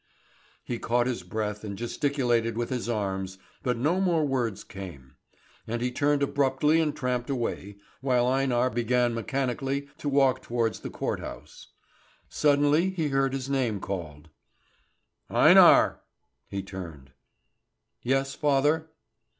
He caught his breath and gesticulated with his arms, but no more words came; and he turned abruptly and tramped away, while Einar began mechanically to walk towards the court house. Suddenly he heard his name called: "Einar!" He turned. "Yes, father?"